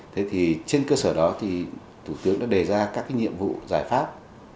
thế thì trên cơ sở đó thì thủ tướng đã đề ra các nhiệm vụ giải pháp